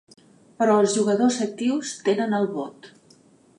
Però els jugadors actius tenen el vot.